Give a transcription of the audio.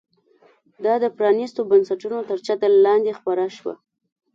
دا د پرانیستو بنسټونو تر چتر لاندې خپره شوه.